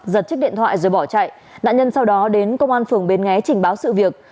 giật chiếc điện thoại rồi bỏ chạy nạn nhân sau đó đến công an phường bến nghé trình báo sự việc